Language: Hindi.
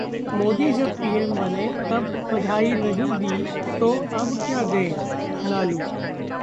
मोदी जब पीएम बने तब बधाई नहीं दी, तो अब क्या दें: लालू